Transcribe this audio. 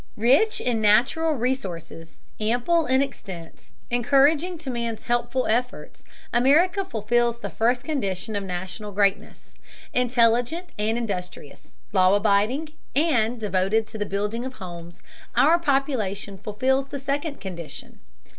Rich in natural resources, ample in extent, encouraging to man's helpful efforts, America fulfills the first condition of national greatness. Intelligent and industrious, law abiding and, devoted to the building of homes, our population fulfills the second condition.